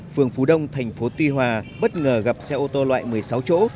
phường phú đông thành phố tuy hòa bất ngờ gặp xe ô tô loại một mươi sáu chỗ